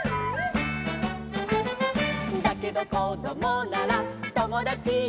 「だけどこどもならともだちになろう」